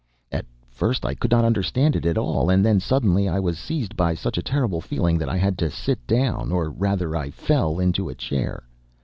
At first I could not understand it at all, and then suddenly I was seized by such a terrible feeling that I had to sit down, or rather I fell into a chair!